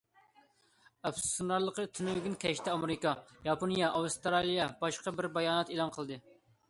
ئەپسۇسلىنارلىقى، تۈنۈگۈن كەچتە ئامېرىكا، ياپونىيە، ئاۋسترالىيە باشقا بىر بايانات ئېلان قىلدى.